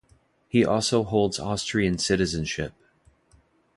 He also holds Austrian citizenship.